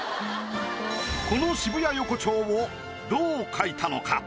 この渋谷横丁をどう描いたのか？